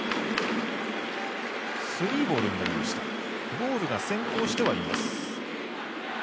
ボールが先行してはいます。